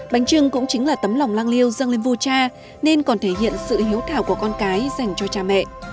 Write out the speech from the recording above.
bánh trưng cũng chính là tấm lòng lang liêu dâng lên vua cha nên còn thể hiện sự hiếu thảo của con cái dành cho cha mẹ